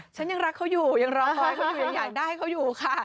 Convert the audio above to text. ฉันยังรักเขาอยู่ยังร้องไห้เขาอยู่ยังอยากได้เขาอยู่ค่ะ